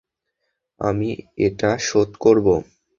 আমি এটা শোধ করব।